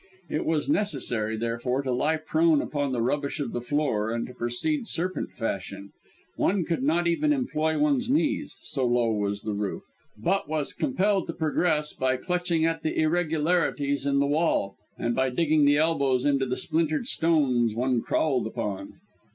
It was necessary, therefore, to lie prone upon the rubbish of the floor, and to proceed serpent fashion; one could not even employ one's knees, so low was the roof, but was compelled to progress by clutching at the irregularities in the wall, and by digging the elbows into the splintered stones one crawled upon!